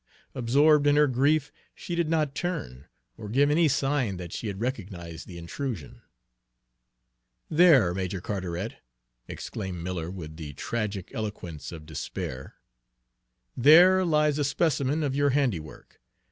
Absorbed in her grief, she did not turn, or give any sign that she had recognized the intrusion. "There, Major Carteret!" exclaimed Miller, with the tragic eloquence of despair, "there lies a specimen of your handiwork!